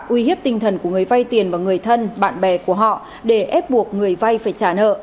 uy hiếp tinh thần của người vay tiền và người thân bạn bè của họ để ép buộc người vay phải trả nợ